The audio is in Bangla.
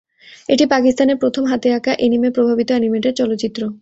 এটি পাকিস্তানের প্রথম হাতে আঁকা এনিমে-প্রভাবিত অ্যানিমেটেড চলচ্চিত্র।